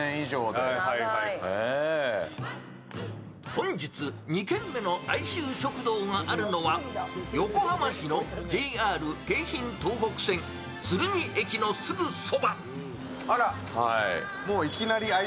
本日２軒目の愛愁食堂があるのは横浜市のＪＲ京浜東北線鶴見駅のすぐそば。